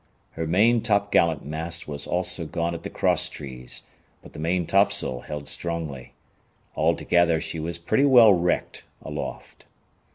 Her main topgallant mast was also gone at the cross trees, but the maintopsail held strongly. Altogether she was pretty well wrecked aloft.